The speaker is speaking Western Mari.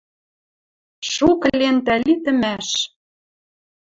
Шукы лентӓ литӹмӓш.